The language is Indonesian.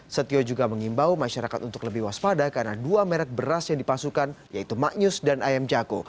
setio juga mengimbau masyarakat untuk lebih waspada karena dua merek beras yang dipasukan yaitu maknyus dan ayam jago